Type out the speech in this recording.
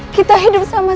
kau akan menang